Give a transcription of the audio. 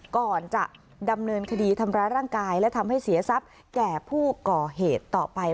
ก่อนจะดำเนินคดีทำร้ายร่างกายและทำให้เสียทรัพย์แก่ผู้ก่อเหตุต่อไป